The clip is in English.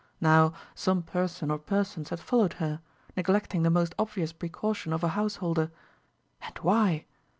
Now, some person or persons had followed her, neglecting the most obvious precaution of a householder. And why?